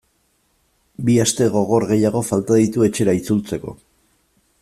Bi aste gogor gehiago falta ditu etxera itzultzeko.